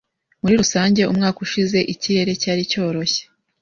Muri rusange, umwaka ushize ikirere cyari cyoroshye.